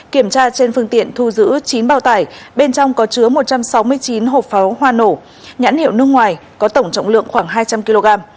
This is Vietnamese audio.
kiểm tra trên phương tiện thu giữ chín bao tải bên trong có chứa một trăm sáu mươi chín hộp pháo hoa nổ nhãn hiệu nước ngoài có tổng trọng lượng khoảng hai trăm linh kg